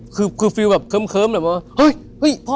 คือฟิลแบบเคิ้มแบบว่าเฮ้ย